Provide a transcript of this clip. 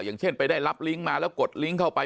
อย่างเช่นไปได้รับลิงก์มาแล้วกดลิงก์เข้าไป